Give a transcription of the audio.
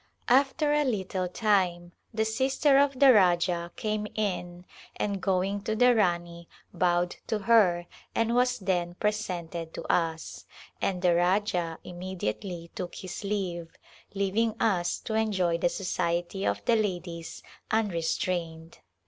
After a little time the sister of the Rajah came in and going to the Rani bowed to her and was then presented to us, and the Rajah immediately took his leave, leaving us to enjoy the society of the ladies un restrained.